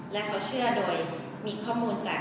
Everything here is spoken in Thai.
และเขาเชื่อโดยมีข้อมูลจาก